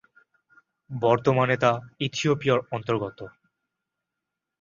বর্তমানে তা ইথিওপিয়ার অন্তর্গত।